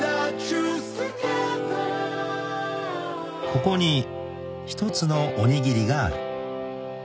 ［ここに一つのおにぎりがある］